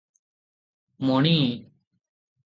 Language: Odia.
ମଣି!